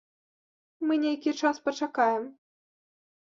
Мы нейкі час пачакаем.